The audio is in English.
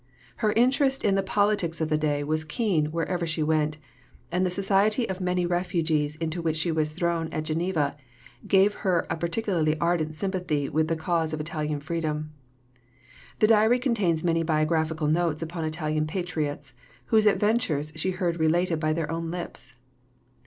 Her interest in the politics of the day was keen wherever she was; and the society of many refugees into which she was thrown at Geneva gave her a particularly ardent sympathy with the cause of Italian freedom. The diary contains many biographical notes upon Italian patriots, whose adventures she heard related by their own lips.